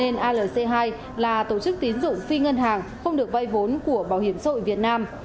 nên alc hai là tổ chức tín dụng phi ngân hàng không được vay vốn của bảo hiểm sâu ở việt nam